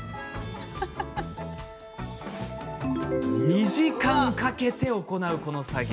２時間かけて行う、この作業。